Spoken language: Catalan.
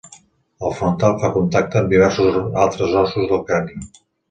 El frontal fa contacte amb diversos altres ossos del crani.